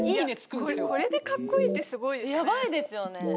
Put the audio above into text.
これでかっこいいってすごいですよね